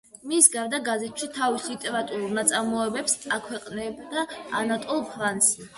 მის გარდა, გაზეთში თავის ლიტერატურულ ნაწარმოებებს აქვეყნებდა ანატოლ ფრანსი.